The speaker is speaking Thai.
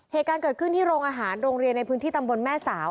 เหตุการณ์เกิดขึ้นที่โรงอาหารโรงเรียนในพื้นที่ตำบลแม่สาว